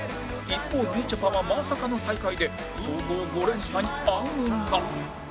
一方みちょぱはまさかの最下位で総合５連覇に暗雲が